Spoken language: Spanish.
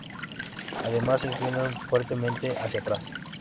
Además, se inclinan fuertemente hacia atrás.